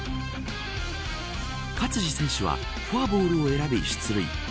勝児選手はフォアボールを選び出塁。